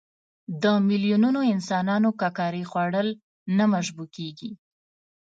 د میلیونونو انسانانو ککرې خوړل نه مشبوع کېږي.